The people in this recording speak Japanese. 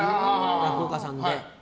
落語家さんで。